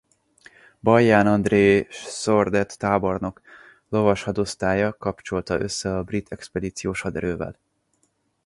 Balján André Sordet tábornok lovashadosztálya kapcsolta össze a Brit Expedíciós Haderővel.